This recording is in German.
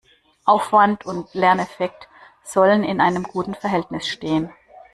Aufwand und Lerneffekt sollen in einem guten Verhältnis stehen.